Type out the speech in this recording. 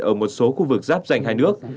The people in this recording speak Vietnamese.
ở một số khu vực giáp dành hai nước